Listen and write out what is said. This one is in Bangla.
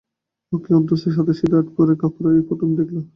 ওকে অত্যন্ত সাদাসিধে আটপৌরে কাপড়ে এই প্রথম দেখলে।